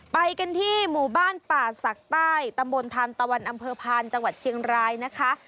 ไปกันที่หมู่บ้านป่าศักดิ์ใต้ตำบลทานตะวันอำเภอพานจังหวัดเชียงรายนะคะ